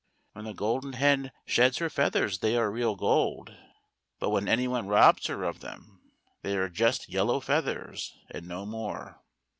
When the Golden Hen sheds her feathers they are real gold, but when any one THE GOLDEN HEN. 51 robs her of them, they are just yellow feathers and no more.